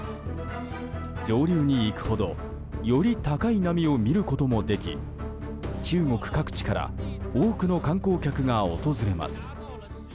上流に行くほどより高い波を見ることもでき中国各地から多くの観光客が訪れます。